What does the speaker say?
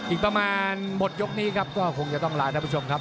อีกประมาณหมดยกนี้ครับก็คงจะต้องลาท่านผู้ชมครับ